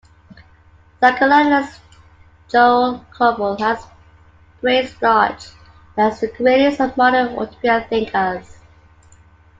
Psychoanalyst Joel Kovel has praised Bloch as, "the greatest of modern utopian thinkers".